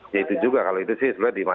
ya itu juga kalau itu sih sebenarnya